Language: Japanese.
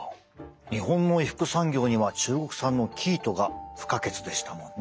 日本の衣服産業には中国産の生糸が不可欠でしたもんね。